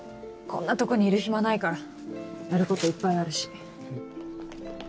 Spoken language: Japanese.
こんなとこにいる暇ないからやることいっぱいあるし。